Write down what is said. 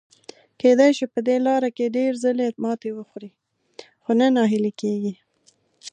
کېدای شي په دې لاره کې ډېر ځلي ماتې وخوري، خو نه ناهیلي کیږي.